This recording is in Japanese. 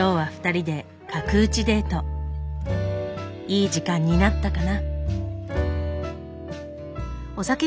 いい時間になったかな？